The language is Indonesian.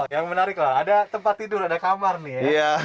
yang menarik lah ada tempat tidur ada kamar nih ya